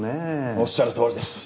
おっしゃるとおりです。